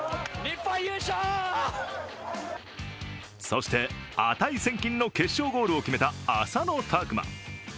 そして値千金の決勝ゴールを決めた浅野拓磨。